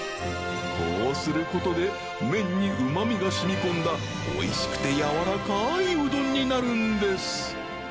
こうすることで麺にうまみが染みこんだ靴峠世蕕舛うどんになるんです